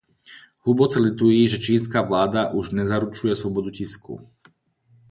Hluboce lituji, že čínská vláda už nezaručuje svobodu tisku.